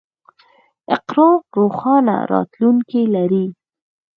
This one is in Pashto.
اقرا روښانه راتلونکی لري.